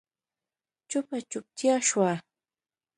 چوپه چوپتيا شوه.